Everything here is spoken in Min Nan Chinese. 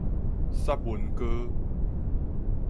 雪文膏